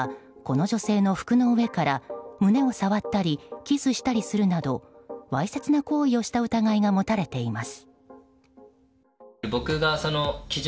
崎容疑者はこの女性の服の上から胸を触ったりキスしたりするなどわいせつな行為をした疑いが持たれています。